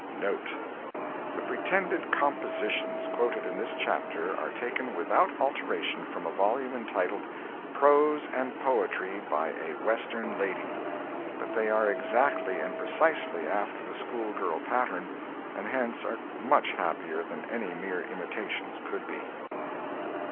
NOTE:—The pretended "compositions" quoted in this chapter are taken without alteration from a volume entitled "Prose and Poetry, by a Western Lady"—but they are exactly and precisely after the schoolgirl pattern, and hence are much happier than any mere imitations could be.